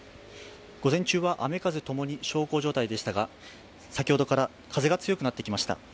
午前中は、雨・風ともに小康状態でしたが、先ほどから風が強くなってきました。